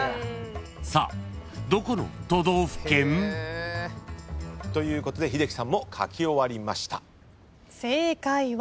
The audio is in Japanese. ［さあどこの都道府県？］ということで英樹さんも書き終わりました。